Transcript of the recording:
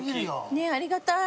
ねえありがたい。